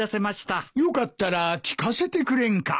よかったら聞かせてくれんか？